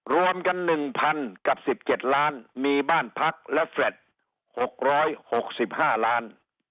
รวมกัน๑๐๐กับ๑๗ล้านมีบ้านพักและแฟลต์๖๖๕ล้าน